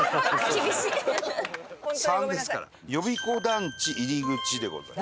「３」ですから呼子団地入口でございます。